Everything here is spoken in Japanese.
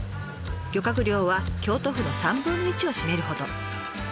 漁獲量は京都府の３分の１を占めるほど。